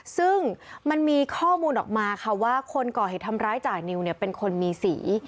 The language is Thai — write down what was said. ซึ่งมันมีข้อมูลออกมาค่ะว่าคนก่อเหตุทำร้ายจ่านิวเนี่ยเป็นคนมีสี